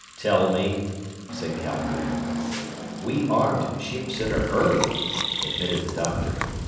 "Tell me," said Calhoun. "We armed ships in a hurry," admitted the doctor.